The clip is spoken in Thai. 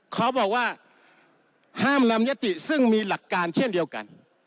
เขาบอกว่าห้ามนำยติซึ่งมีหลักการเช่นเดียวกัน